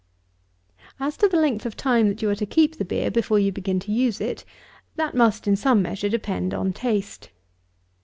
50. As to the length of time that you are to keep the beer before you begin to use it, that must, in some measure, depend on taste.